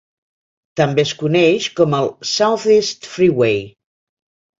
També es coneix com el Southeast Freeway.